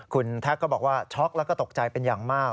คุณแท็กก็บอกว่าช็อกแล้วก็ตกใจเป็นอย่างมาก